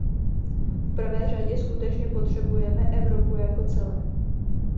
V prvé řadě skutečně potřebujeme Evropu jako celek.